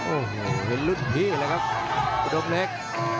โอ้โหเห็นรุ่นพี่เลยครับอุดมเล็ก